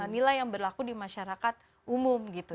nilai yang berlaku di masyarakat umum gitu